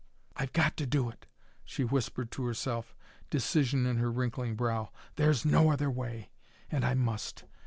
"I've got to do it," she whispered to herself, decision in her wrinkling brow. "There's no other way, and I must.